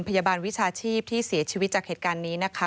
พยาบาลวิชาชีพที่เสียชีวิตจากเหตุการณ์นี้นะคะ